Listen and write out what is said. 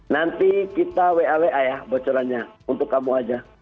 nanti kita wa wa ya bocorannya untuk kamu aja